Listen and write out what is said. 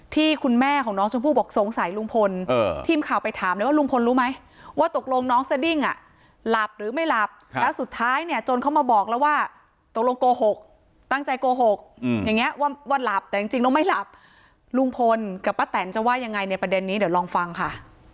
ตั้งใจโกหกอืมอย่างเงี้ยว่าว่าหลับแต่จริงจริงแล้วไม่หลับลุงพลกับป้าแตนจะว่ายังไงในประเด็นนี้เดี๋ยวลองฟังค่ะ